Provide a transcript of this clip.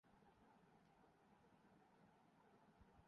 شیوے کیلئے سال تک کوئی فلم سائن نہیں کی اجے